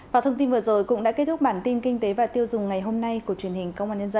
và thông tin vừa rồi cũng đã kết thúc bản tin kinh tế và tiêu dùng ngày hôm nay của truyền hình công an nhân dân